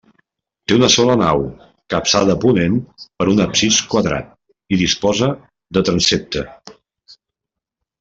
Té una sola nau, capçada a ponent per un absis quadrat, i disposa de transsepte.